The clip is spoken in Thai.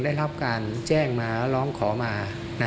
ได้รับการแจ้งมาร้องขอมา